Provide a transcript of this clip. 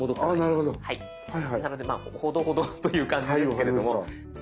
なのでまあほどほどという感じですけれども。